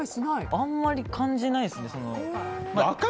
あんまり感じないですね。